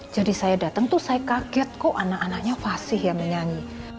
jadi saya datang tuh saya kaget kok anak anaknya fasih yang menyanyi